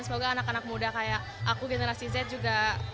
semoga anak anak muda kayak aku generasi z juga